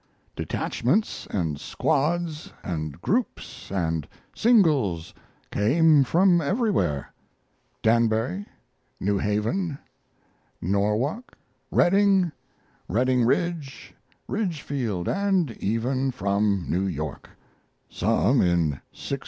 Detachments and squads and groups and singles came from everywhere Danbury, New Haven, Norwalk, Redding, Redding Ridge, Ridgefield, and even from New York: some in 60 h.